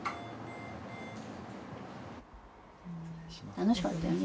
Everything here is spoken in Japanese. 楽しかったよね